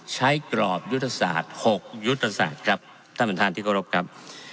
กรอบยุทธศาสตร์๖ยุทธศาสตร์ครับท่านประธานที่เคารพครับ